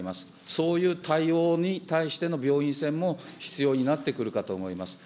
そういう対応に対しての病院船も必要になってくるかと思います。